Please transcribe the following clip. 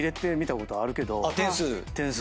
点数。